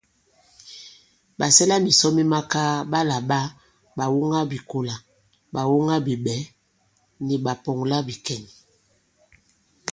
Ɓàsɛlamìsɔn mi makaa ɓa làɓa ɓàwoŋabìkolà, ɓàwoŋabiɓɛ̌ ni ɓàpɔ̀ŋlabìkɛ̀n.